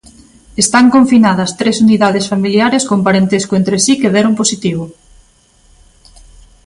Están confinadas tres unidades familiares con parentesco entre si que deron positivo.